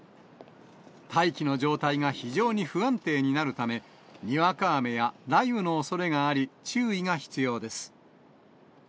大気の状態が非常に不安定になるため、にわか雨や雷雨のおそれがあり、注意が必要です。